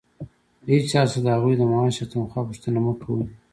له هيچا څخه د هغوى د معاش او تنخوا پوښتنه مه کوئ!